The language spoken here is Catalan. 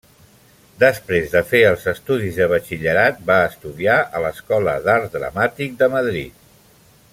Després de fer els estudis de batxillerat, va estudiar a l'Escola d'Art Dramàtic de Madrid.